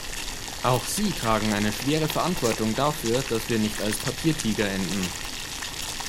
Auch sie tragen eine schwere Verantwortung dafür, dass wir nicht als Papiertiger enden.